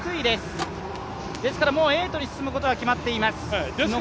ですからもうエイトに進むことは決まっています。